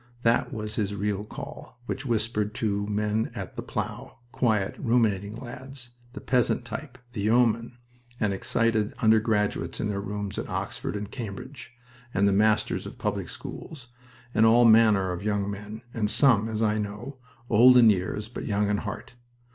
That was his real call, which whispered to men at the plow quiet, ruminating lads, the peasant type, the yeoman and excited undergraduates in their rooms at Oxford and Cambridge, and the masters of public schools, and all manner of young men, and some, as I know, old in years but young in heart.